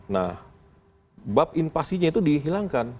nah bab invasinya itu dihilangkan